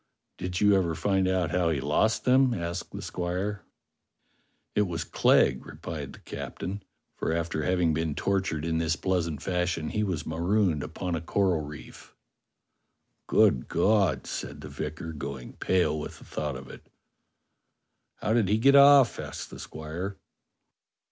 "Did you ever find out how he lost them?" asked the squire. "It was Clegg," replied the captain; "for after having been tortured in this pleasant fashion he was marooned upon a coral reef." "Good God!" said the vicar, going pale with the thought of it. "How did he get off?" asked the squire.